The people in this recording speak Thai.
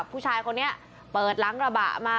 ผู้ชายคนนี้เปิดหลังกระบะมา